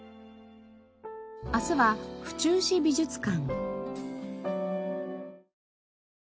明日は府中市美術館。